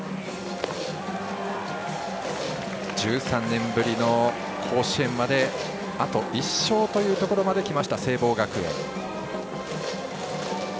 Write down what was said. １３年ぶりの甲子園まであと１勝というところまできた聖望学園。